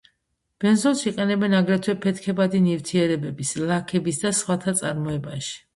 ბენზოლს იყენებენ აგრეთვე ფეთქებადი ნივთიერებების, ლაქების და სხვათა წარმოებაში.